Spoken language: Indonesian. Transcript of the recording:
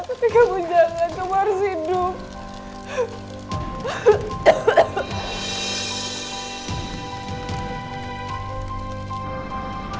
tapi kamu jangan kamu harus hidup